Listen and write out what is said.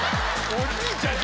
おじいちゃんだ！